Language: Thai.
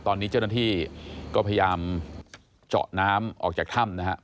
ตอนนี้เจ้าหน้าที่ก็พยายามเจาะน้ำออกจากถ้ำนะฮะ